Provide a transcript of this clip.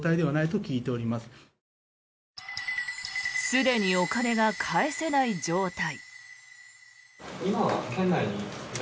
すでにお金が返せない状態。